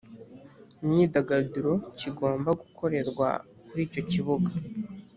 imyidagaduro kigomba gukorerwa kuri icyo kibuga